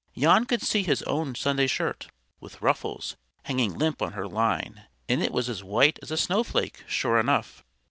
Jan could see his own Sunday shirt, with ruffles, hanging limp on her line, and it was as white as a snowflake, sure enough!